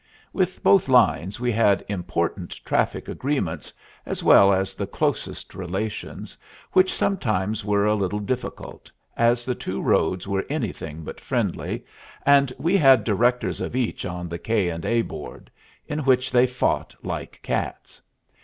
With both lines we had important traffic agreements, as well as the closest relations, which sometimes were a little difficult, as the two roads were anything but friendly, and we had directors of each on the K. & A. board, in which they fought like cats.